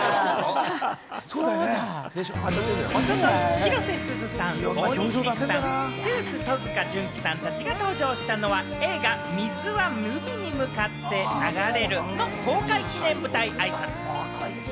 広瀬すずさん、大西利空さん、戸塚純貴さんたちが登場したのは映画『水は海に向かって流れる』の公開記念舞台挨拶。